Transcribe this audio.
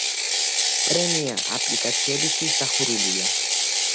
პრემია აპლიკაციებისთვის დახურულია.